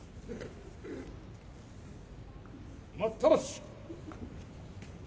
待ったなし。